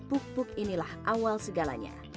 puk puk inilah awal segalanya